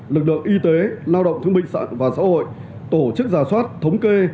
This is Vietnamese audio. lực lượng y tế lao động thương bình sản và xã hội tổ chức giả soát thống kê